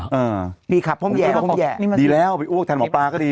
ดีค่ะพ่อมีครูเป็นเดี๋ยวพ่อมีแหงดีแล้วไปอ้วกแทนหมอปลาก็ดี